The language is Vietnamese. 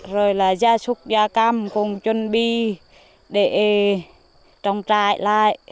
rồi là gia súc gia cầm cũng chuẩn bị để trồng trại lại